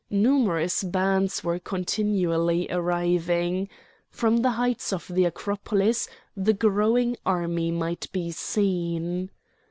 Numerous bands were continually arriving. From the heights of the Acropolis the growing army might be seen.